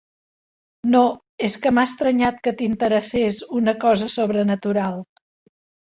No, és que m'ha estranyat que t'interessés una cosa sobrenatural.